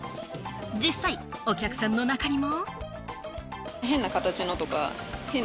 実際、お客さんの中にも。